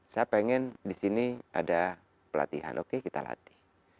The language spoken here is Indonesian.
saya pengen di sini ada pelatihan oke kita latih